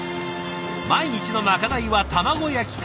毎日のまかないは卵焼きから。